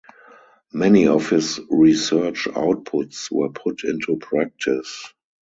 Many of his research outputs were put into practice.